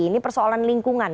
ini persoalan lingkungan